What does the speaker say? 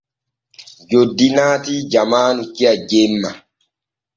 Joddi naatii jamaanu kiya jemma.